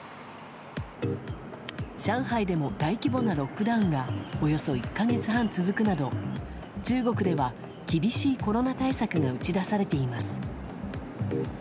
上海でも大規模なロックダウンがおよそ１か月半続くなど中国では厳しいコロナ対策が打ち出されています。